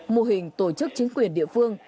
mô hình tổ chức chính quyền địa phương